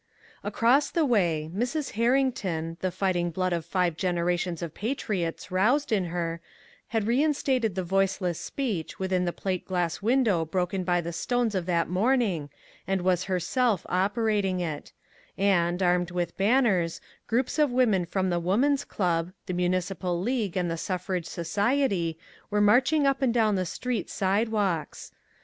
Across the way, Mrs. Herrington, the fighting blood of five generations of patriots roused in her, had reinstated the Voiceless Speech within the plate glass window broken by the stones of that morning and was herself operating it; and, armed with banners, groups of women from the Woman's Club, the Municipal League and the Suffrage Society were marching up and down the street sidewalks.